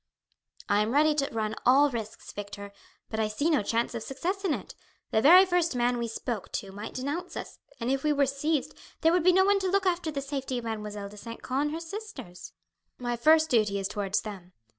"I am ready to run all risks, Victor, but I see no chance of success in it. The very first man we spoke to might denounce us, and if we were seized there would be no one to look after the safety of Mademoiselle de St. Caux and her sisters. My first duty is towards them.